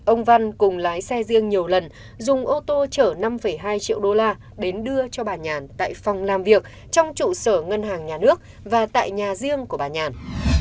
ông văn cùng lái xe riêng nhiều lần dùng ô tô chở năm hai triệu đô la đến đưa cho bà nhàn tại phòng làm việc trong trụ sở ngân hàng nhà nước và tại nhà riêng của bà nhàn